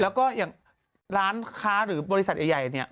แล้วก็อย่างร้านค้าหรือบริษัทใหญ่เนี่ย